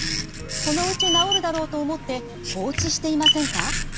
そのうち治るだろうと思って放置していませんか？